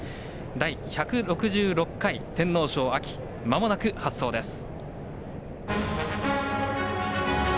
第１６６回天皇賞まもなく発走です。